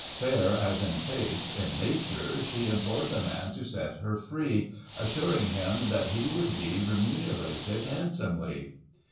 Fair as in face, in nature, she Implored the man to set her free. Assuring him that he should be Remunerated handsomely.